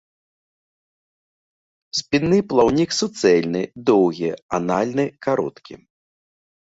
Спінны плаўнік суцэльны, доўгі, анальны кароткі.